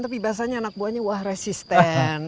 tapi biasanya anak buahnya wah resisten